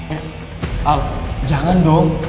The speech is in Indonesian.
eh al jangan dong